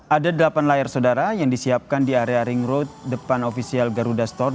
ada delapan layar saudara yang disiapkan di area ring road depan ofisial garuda store